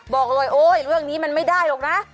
บอกเลยโอ๊ยเรื่องนี้มันไม่ได้หรอกนะ